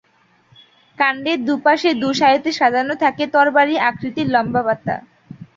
কান্ডের দুপাশে দু সারিতে সাজানো থাকে তরবারি আকৃতির লম্বা পাতা।